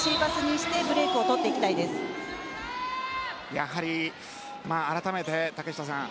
やはり、改めて竹下さん